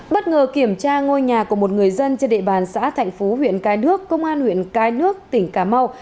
bất ngờ kiểm tra ngôi nhà của một người dân trên địa bàn xã thạnh phú huyện cai đước công an huyện cai đước tỉnh cà mau